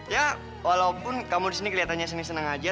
ya walaupun kamu di sini kelihatannya seneng seneng aja